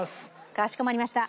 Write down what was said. かしこまりました。